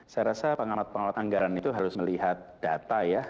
saya rasa pengamat pengawat anggaran itu harus melihat data ya